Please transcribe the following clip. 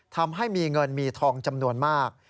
ทำให้มีเงินมีทองจำนวนมาก